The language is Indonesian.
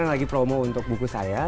lagi promo untuk buku saya